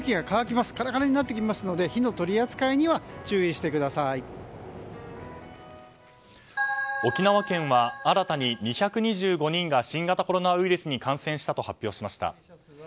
カラカラになってきますので火の取り扱いには沖縄県は新たに２２５人が新型コロナウイルスに感染したと発表しました。